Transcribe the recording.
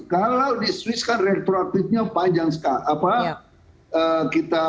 kalau di swiss kan restoratifnya panjang sekali